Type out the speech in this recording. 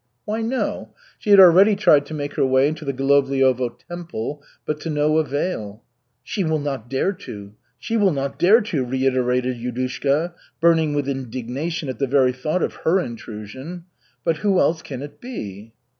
Why, no. She had already tried to make her way into the Golovliovo temple, but to no avail. "She will not dare to, she will not dare to!" reiterated Yudushka, burning with indignation at the very thought of her intrusion. "But who else can it be?"